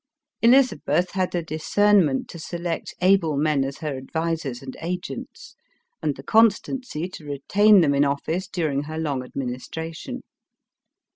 Elizabeth had the discernment to select able men as her advisers and agents, and the constancy to retain them in office during her long administration.